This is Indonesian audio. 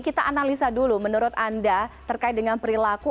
kita analisa dulu menurut anda terkait dengan perilaku